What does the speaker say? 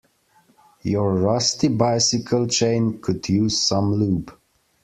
Your rusty bicycle chain could use some lube.